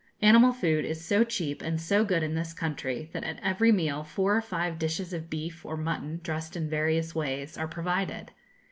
Animal food is so cheap and so good in this country that at every meal four or five dishes of beef or mutton, dressed in various ways, are provided.